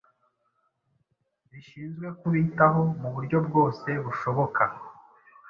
rishinzwe kubitaho muburyo bwose bushoboka